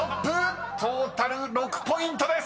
［トータル６ポイントです］